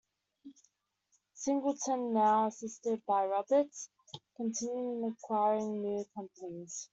Singleton, now assisted by Roberts, continued in acquiring new companies.